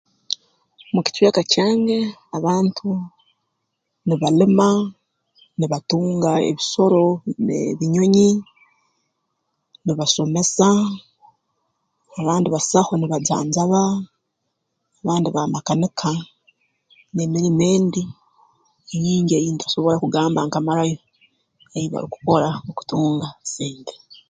Mu kicweka kyange abantu nibalima nibatunga ebisoro n'ebinyonyi nibasomesa abandi basaho nibajanjaba abandi baamakanika n'emirmo endi enyingi ei ntasobora kugamba nka marayo ei barukukora okutunga sente